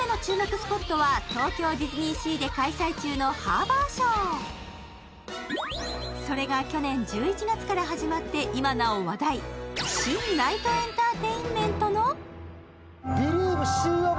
スポットは東京ディズニーシーで開催中のハーバーショーそれが去年１１月から始まって今なお話題新ナイトエンターテインメントのあ